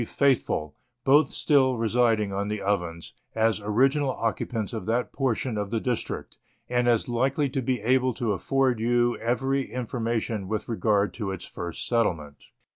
Faithfull, both still residing on the Ovens, as original occupants of that portion of the district, and as likely to be able to afford you every informa tion with regard to its first settlement.